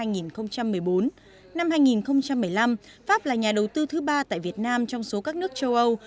năm hai nghìn một mươi năm pháp là nhà đầu tư thứ ba tại việt nam trong số các nước châu âu